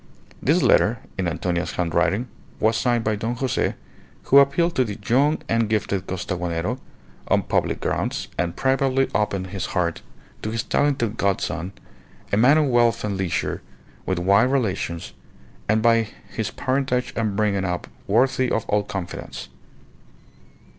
This letter, in Antonia's handwriting, was signed by Don Jose, who appealed to the "young and gifted Costaguanero" on public grounds, and privately opened his heart to his talented god son, a man of wealth and leisure, with wide relations, and by his parentage and bringing up worthy of all confidence.